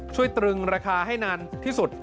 ตรึงราคาให้นานที่สุด